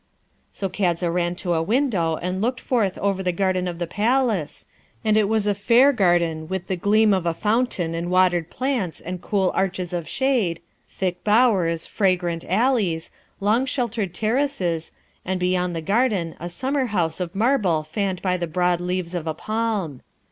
So Kadza ran to a window and looked forth over the garden of the palace, and it was a fair garden with the gleam of a fountain and watered plants and cool arches of shade, thick bowers, fragrant alleys, long sheltered terraces, and beyond the garden a summer house of marble fanned by the broad leaves of a palm.